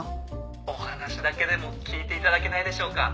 お話だけでも聞いていただけないでしょうか？